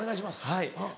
はい。